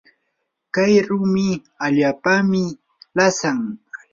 kay rumi allaapami lasan.